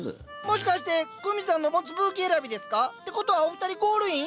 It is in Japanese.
もしかして久美さんの持つブーケ選びですか？ってことはお二人ゴールイン？